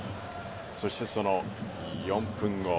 そして、その４分後。